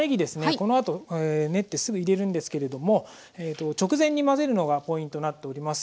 このあと練ってすぐ入れるんですけれども直前に混ぜるのがポイントになっております。